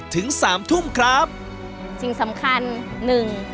ถึงสามทุ่มครับสิ่งสำคัญหนึ่ง